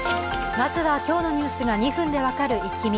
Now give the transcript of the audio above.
まずは今日のニュースが２分で分かるイッキ見。